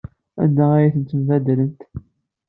Anda ay tent-tembaddalemt?